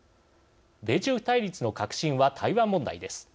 米中対立の核心は、台湾問題です。